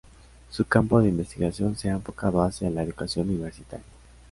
Su campo de investigación se ha enfocado hacia la educación universitaria.